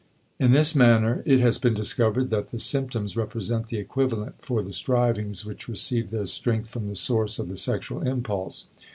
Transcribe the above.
* In this manner it has been discovered that the symptoms represent the equivalent for the strivings which received their strength from the source of the sexual impulse.